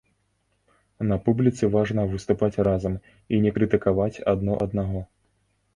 На публіцы важна выступаць разам і не крытыкаваць адно аднаго.